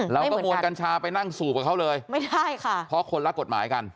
ลงมลกัญชาไปนั่งสูบกับเขาเลยเพราะคนละกฏหมายกัน